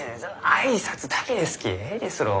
挨拶だけですきえいですろう？